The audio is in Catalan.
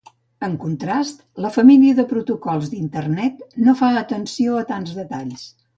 En contrast, la família de protocols d'internet no fa atenció a tants detalls.